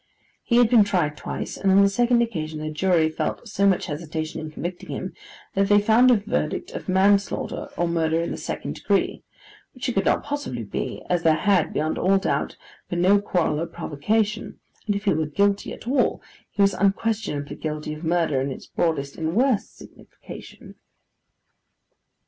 He had been tried twice; and on the second occasion the jury felt so much hesitation in convicting him, that they found a verdict of manslaughter, or murder in the second degree; which it could not possibly be, as there had, beyond all doubt, been no quarrel or provocation, and if he were guilty at all, he was unquestionably guilty of murder in its broadest and worst signification.